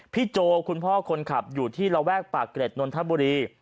โจคุณพ่อคนขับอยู่ที่ระแวกปากเกร็ดนนทบุรี